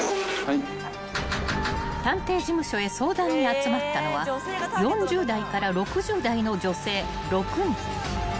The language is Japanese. ［探偵事務所へ相談に集まったのは４０代から６０代の女性６人］